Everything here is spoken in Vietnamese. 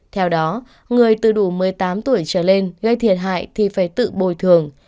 theo đó người từ đủ một mươi tám tuổi trở lên gây thiệt hại thì phải tự bồi thường